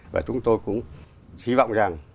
và chúng tôi cũng hy vọng rằng